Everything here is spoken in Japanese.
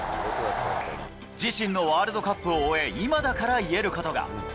自身のワールドカップを終え、今だから言えることが。